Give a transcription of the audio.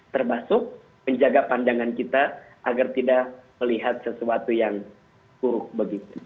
termasuk menjaga pandangan kita agar tidak melihat sesuatu yang buruk begitu